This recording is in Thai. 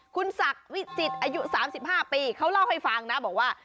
คุณศักดิ์วิจิตรอายุ๓๕ปีเขาเล่าให้ฟังนะบอกว่า